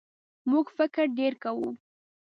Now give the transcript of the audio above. موږ فکر ډېر کوو.